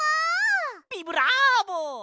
ビブラーボ！